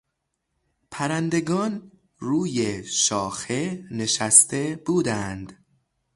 پرندگان روی شاخه نشسته بودند.